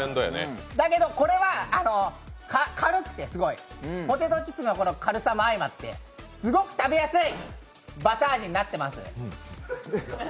だけど、これはすごく軽くて、ポテトチップスの軽さも相まって、すごく食べやすいバター味になってます。